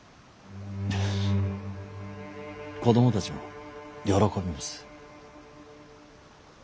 フッ子供たちも喜びます。